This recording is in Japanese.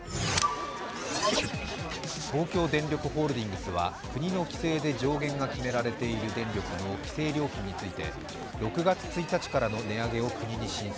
東京電力ホールディングスは国の規制で上限が決められている電力の規制料金について６月１日からの値上げを国に申請。